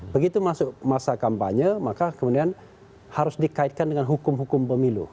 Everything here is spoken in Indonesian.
begitu masuk masa kampanye maka kemudian harus dikaitkan dengan hukum hukum pemilu